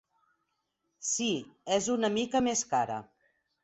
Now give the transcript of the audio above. Sí, és una mica més cara.